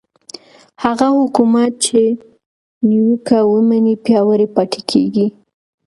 هغه حکومت چې نیوکه ومني پیاوړی پاتې کېږي